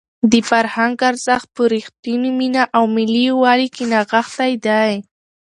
د فرهنګ ارزښت په رښتونې مینه او په ملي یووالي کې نغښتی دی.